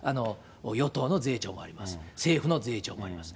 与党の税調もあります、政府の税調もあります。